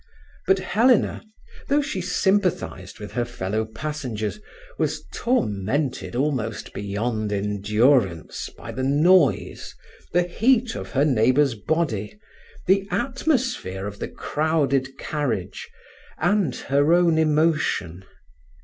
But Helena, though she sympathized with her fellow passengers, was tormented almost beyond endurance by the noise, the heat of her neighbour's body, the atmosphere of the crowded carriage, and her own emotion.